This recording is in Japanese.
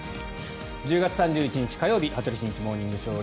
１０月３１日、火曜日「羽鳥慎一モーニングショー」。